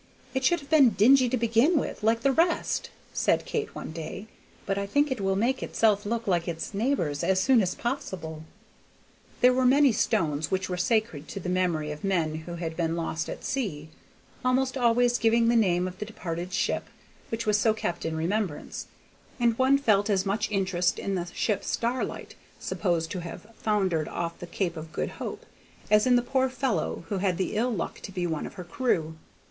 "It should have been dingy to begin with, like the rest," said Kate one day; "but I think it will make itself look like its neighbors as soon as possible." There were many stones which were sacred to the memory of men who had been lost at sea, almost always giving the name of the departed ship, which was so kept in remembrance; and one felt as much interest in the ship Starlight, supposed to have foundered off the Cape of Good Hope, as in the poor fellow who had the ill luck to be one of her crew.